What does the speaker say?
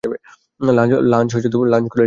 Lunch করে যায়নি?